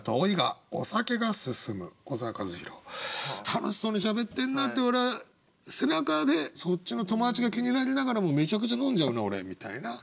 楽しそうにしゃべってんなって俺は背中でそっちの友達が気になりながらもめちゃくちゃ飲んじゃうな俺みたいな。